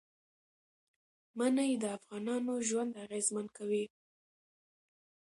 منی د افغانانو ژوند اغېزمن کوي.